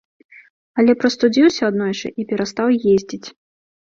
Але прастудзіўся аднойчы, і перастаў ездзіць.